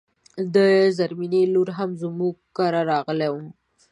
د زرمينې لور هم زموږ کره راغلی و